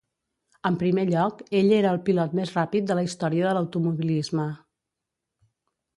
En primer lloc, ell era el pilot més ràpid de la història de l'automobilisme.